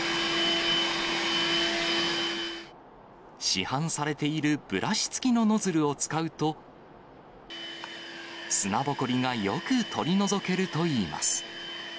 市販されているブラシ付きのノズルを使うと、砂ぼこりがよく取り除けるといいます。